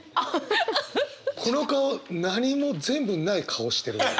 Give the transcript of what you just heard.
この顔何も全部ない顔してるね。